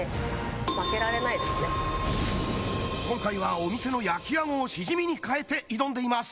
今回はお店の焼きあごをしじみに替えて挑んでいます